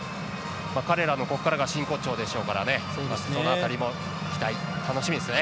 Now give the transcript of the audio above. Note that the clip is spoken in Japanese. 彼らのここからが真骨頂ですからその辺りも期待、楽しみですね。